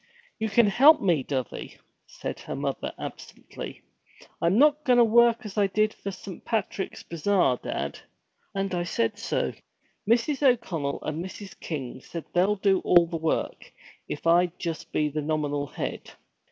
'You can help me, dovey,' said her mother absently. 'I'm not goin' to work as I did for Saint Patrick's Bazaar, dad, and I said so! Mrs. O'Connell and Mrs. King said they'd do all the work, if I'd just be the nominal head.